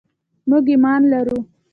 موږ ایمان لرو.